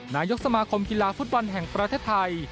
นายกสมาคมธุรกิจฟุตบันแห่งประเทศไทย